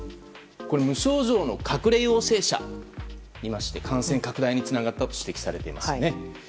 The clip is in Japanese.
無症状の隠れ陽性者がいまして感染拡大につながったと指摘されていますね。